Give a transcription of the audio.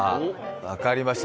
分かりました。